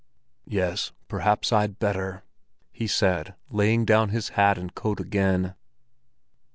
"Yes, perhaps I'd better," he said, laying down his hat and coat again.